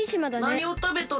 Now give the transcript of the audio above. なにをたべとるん？